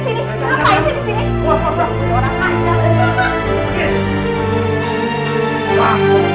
keluar keluar keluar